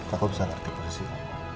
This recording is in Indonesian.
aku bisa ngerti persis